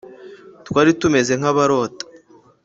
Twari tumeze nk abarota